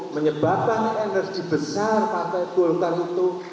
menyebabkan energi besar partai golkar itu